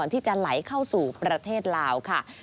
ที่จะไหลเข้าสู่ประเทศลาวค่ะ